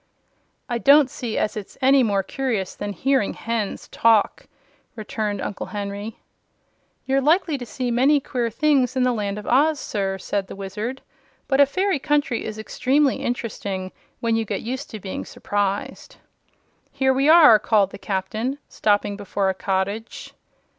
"I don't see as it's any more curious than hearing hens talk," returned Uncle Henry. "You're likely to see many queer things in the Land of Oz, sir," said the Wizard. "But a fairy country is extremely interesting when you get used to being surprised." "Here we are!" called the Captain, stopping before a cottage.